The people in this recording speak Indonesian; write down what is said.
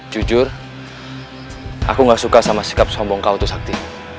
jujur aku gak suka sama sikap sombong kau tuh sakti